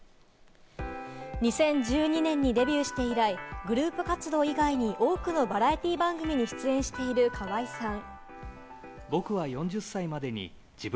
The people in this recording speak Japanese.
２０１２年にデビューして以来、グループ活動以外に多くのバラエティー番組に出演している河合さん。